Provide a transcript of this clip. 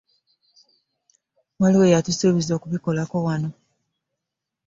Waliwo eyatusuubiza okubikolako wano.